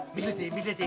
見せて！